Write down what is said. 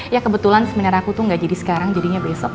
ya kebetulan sebenarnya aku tuh gak jadi sekarang jadinya besok